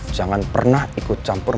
jangan pernah ikut campur